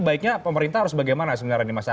baiknya pemerintah harus bagaimana sebenarnya